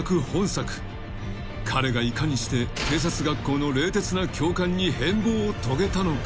［彼がいかにして警察学校の冷徹な教官に変貌を遂げたのか？］